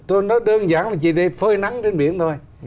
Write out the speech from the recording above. tôi nói đơn giản là chỉ đi phơi nắng trên biển thôi